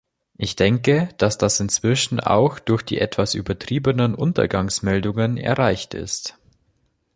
Ich denke, dass das inzwischen auch durch die etwas übertriebenen Untergangsmeldungen erreicht ist.